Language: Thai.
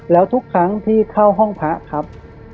แล้วทุกครั้งที่เข้าห้องพระครับ